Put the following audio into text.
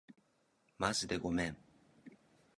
まじでごめん